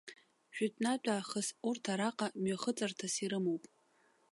Жәытәнатә аахыс урҭ араҟа мҩахыҵырҭас ирымоуп.